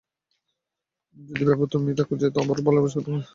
যদি ভেবে থাকো যে তোমায় আবারও ভালোবাসব তবে তুমি বোকার স্বর্গে বিচরণ করছ!